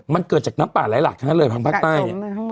มันเกิดจากน้ำป่าไหลหลากทั้งนั้นเลยทางภาคใต้เนี่ย